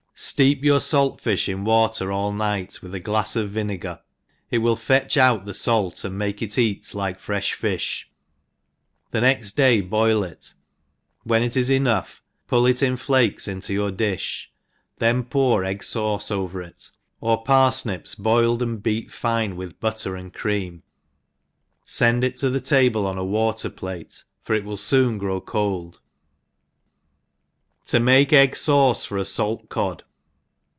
. STEEP your fait fifh in water all night, with a glafs of vinegar, it will fetch out the fait, and make it eat like frefh fifh ; the nexttday boil it; when it is enough, pull it in flakes into your dift), then pour egg fauce over it, or parfnips boiled and beat fine with butter and cream ; fend it to the table on a water plate, for it will foon grow cold, ' 2 To ENGLISH HOUSE KEEPEJl. 23 Tojuaie Egg SavceJot a Salt Cod.